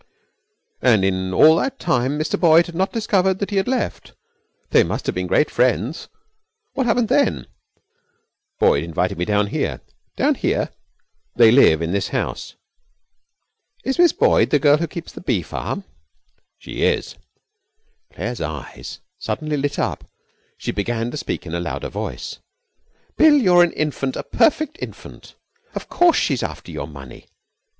'And in all that time Mr Boyd had not discovered that he had left. They must have been great friends! What happened then?' 'Boyd invited me down here.' 'Down here?' 'They live in this house.' 'Is Miss Boyd the girl who keeps the bee farm?' 'She is.' Claire's eyes suddenly lit up. She began to speak in a louder voice: 'Bill, you're an infant, a perfect infant! Of course, she's after your money.